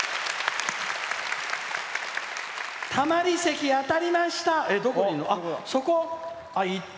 たまり席、当たりました！